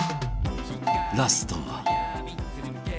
ラストは